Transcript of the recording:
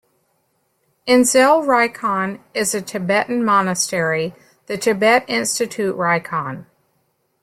In Zell-Rikon is a Tibetan monastery, the Tibet Institute Rikon.